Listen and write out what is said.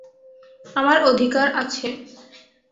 আমার অধিকার আছে।